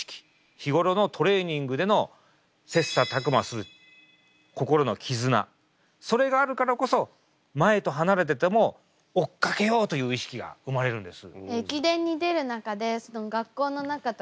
日頃のトレーニングでの切磋琢磨する心のきずなそれがあるからこそ前と離れてても追っかけようという意識が生まれるんです。